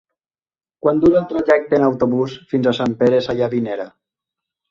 Quant dura el trajecte en autobús fins a Sant Pere Sallavinera?